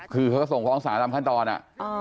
คือเขาก็ส่งฟ้องสารตามขั้นตอนอ่ะ